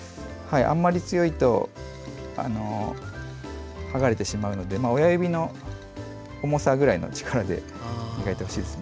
あんまり強いと剥がれてしまうので親指の重さくらいの力で磨いてほしいです。